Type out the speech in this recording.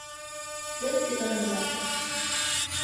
Шъо шъуикарандаш.